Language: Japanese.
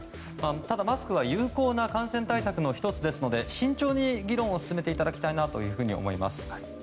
ただ、マスクは有効な感染対策の１つですので慎重に議論を進めていただきたいなと思います。